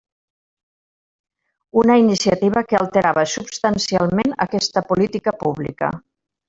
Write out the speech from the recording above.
Una iniciativa que alterava substancialment aquesta política pública.